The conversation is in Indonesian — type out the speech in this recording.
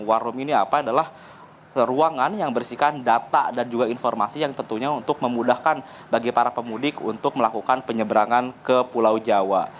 warung ini apa adalah ruangan yang berisikan data dan juga informasi yang tentunya untuk memudahkan bagi para pemudik untuk melakukan penyeberangan ke pulau jawa